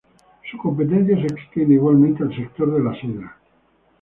Su competencia se extiende igualmente al sector de la sidra.